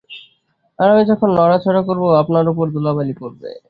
আর আমি যখন নড়াচড়া করব আপনার উপর ধূলিবালি পড়বে।